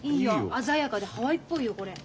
鮮やかでハワイっぽいよこれ。